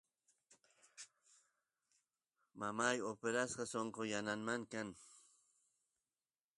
mamayqa operasqa sonqo yanamanta kan